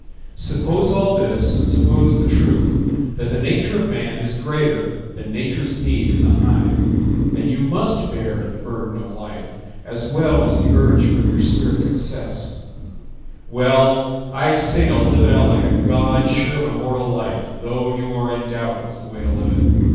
Suppose all this, and suppose the truth: That the nature of man is greater Than nature's need in the hive; And you must bear the burden of life, As well as the urge from your spirit's excess— Well, I say to live it out like a god Sure of immortal life, though you are in doubt, Is the way to live it.